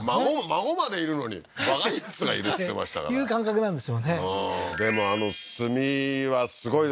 孫までいるのに若いやつがいるって言ってましたからいう感覚なんでしょうねでもあの炭はすごいですね